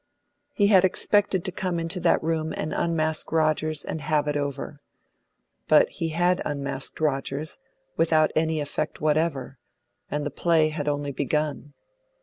He had expected to come into that room and unmask Rogers, and have it over. But he had unmasked Rogers without any effect whatever, and the play had only begun.